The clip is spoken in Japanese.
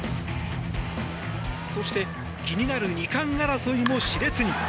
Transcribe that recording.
そして気になる２冠争いも熾烈に。